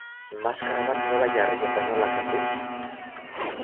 Maskara bat nola jarri eta nola kendu?